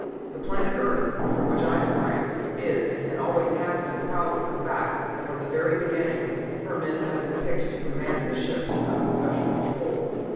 The planet Earth, from which I sprang, is and always has been proud of the fact that from the very beginning, her men have been picked to command the ships of the Special Patrol.